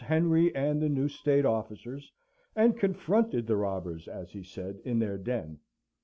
Henry and the new State officers, and confronted the robbers, as he said, in their den.